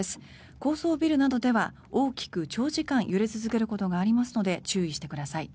高層ビルなどでは大きく長時間揺れ続けることがありますので注意してください。